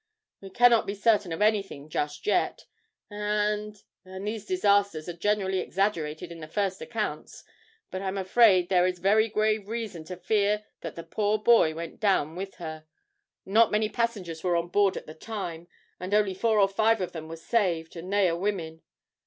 'We cannot be certain of anything just yet and and these disasters are generally exaggerated in the first accounts, but I'm afraid there is very grave reason to fear that the poor boy went down with her not many passengers were on board at the time, and only four or five of them were saved, and they are women.